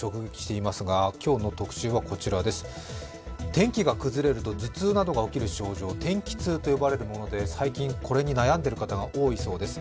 天気が崩れると頭痛などが起きる症状天気痛と呼ばれるもので、最近、これに悩んでいる人が多いそうです。